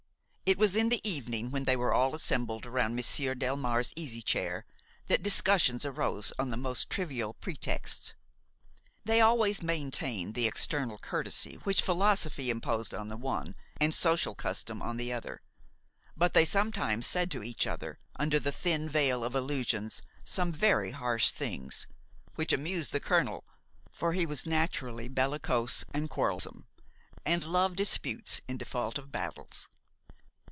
It was in the evening, when they were all assembled around Monsieur Delmare's easy chair, that discussions arose on the most trivial pretexts. They always maintained the external courtesy which philosophy imposed on the one and social custom on the other: but they sometimes said to each other, under the thin veil of allusions, some very harsh things, which amused the colonel; for he was naturally bellicose and quarrelsome and loved disputes in default of battles.